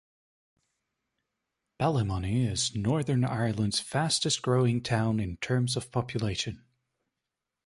Ballymoney is Northern Ireland's fastest-growing town in terms of population.